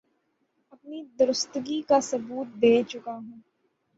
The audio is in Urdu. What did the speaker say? اپنی درستگی کا ثبوت دے چکا ہے